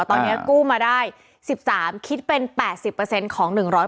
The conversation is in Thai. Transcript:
ตอนนี้กู้มาได้๑๓คิดเป็น๘๐ของ๑๕